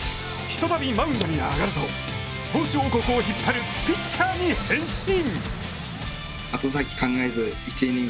一たびマウンドに上がると投手王国を引っ張るピッチャーに変身！